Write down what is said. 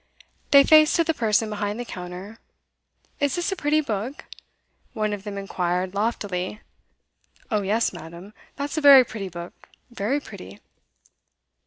They faced to the person behind the counter. 'Is this a pretty book?' one of them inquired loftily. 'Oh yes, madam, that's a very pretty book very pretty.